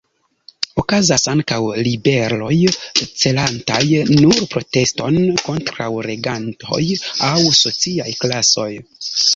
Okazas ankaŭ ribeloj celantaj nur proteston kontraŭ regantoj aŭ sociaj klasoj.